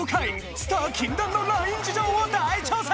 スター禁断のＬＩＮＥ事情を大調査！